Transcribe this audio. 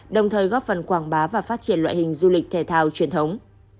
đồng thời góp phần quảng bá và phát triển loại hình du lịch thể thao truyền thống